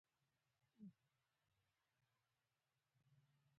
کابل د افغانستان پلازمېنه ده بېلګه ده.